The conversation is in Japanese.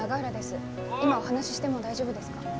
今お話ししても大丈夫ですか？